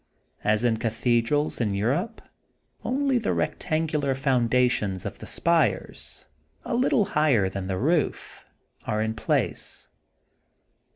As in cathedrals of Europe, only the rectangular foundations of the spires, a little higher than the roof, are in place.